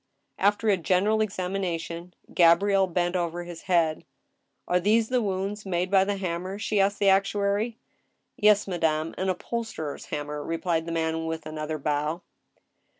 After a general examination, Gabrielle bent over his head. " Are these the wounds made by the hammer?" she asked the. actuary. "Yes, madame; an upholsterer's hammer," replied the man, with another bow.